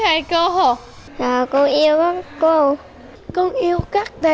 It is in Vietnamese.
anh yêu thầy côada